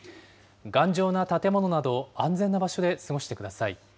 頑丈な建物など安全な場所で過ごしてください。